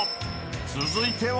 ［続いては？］